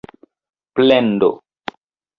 plendo